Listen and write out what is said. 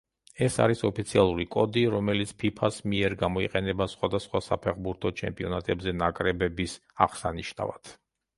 ეს არის ოფიციალური კოდი რომელიც ფიფას მიერ გამოიყენება სხვადასხვა საფეხბურთო ჩემპიონატებზე ნაკრებების აღსანიშნავად.